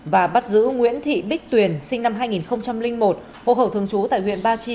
và bắt giữ nguyễn thị bích tuyền sinh năm hai nghìn một hồ khẩu thường trú tại huyện ba chi